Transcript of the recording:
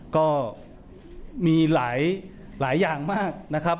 ก็มีหลายอย่างมากนะครับ